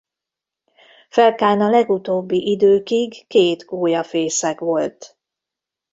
Felkán a legutóbbi időkig két gólyafészek volt.